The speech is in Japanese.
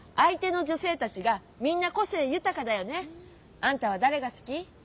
あんたはだれがすき？